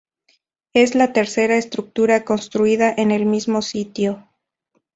Es la tercera estructura construida en el mismo sitio.